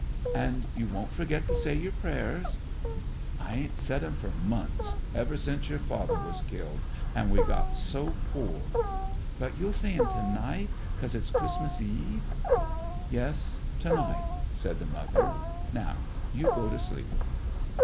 "And you won't forget to say your prayers?" "I ain't said 'em for months, ever since your father was killed, and we got so poor." "But you'll say 'em to night 'cause it's Christmas eve?" "Yes, to night," said the mother; "now you go to sleep."